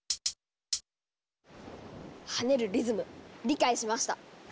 跳ねるリズム理解しました！